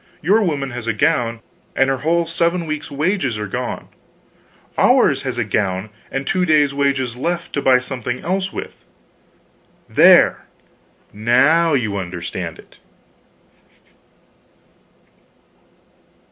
Your woman has a gown, and her whole seven weeks wages are gone; ours has a gown, and two days' wages left, to buy something else with. There now you understand it!"